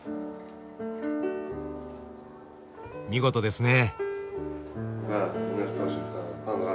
見事ですね。